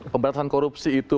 pemberantasan korupsi itu